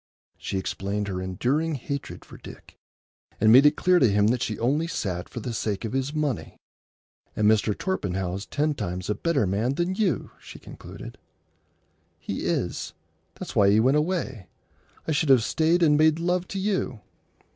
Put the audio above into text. She explained her enduring hatred for Dick, and made it clear to him that she only sat for the sake of his money. "And Mr. Torpenhow's ten times a better man than you," she concluded. "He is. That's why he went away. I should have stayed and made love to you."